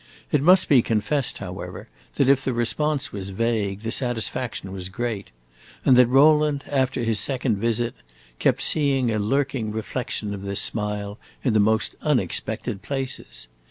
It must be confessed, however, that if the response was vague, the satisfaction was great, and that Rowland, after his second visit, kept seeing a lurking reflection of this smile in the most unexpected places.